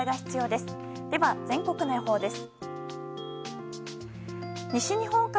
では、全国の予報です。